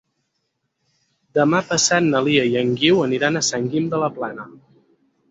Demà passat na Lia i en Guiu aniran a Sant Guim de la Plana.